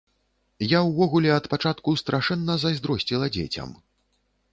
Я ўвогуле ад пачатку страшэнна зайздросціла дзецям.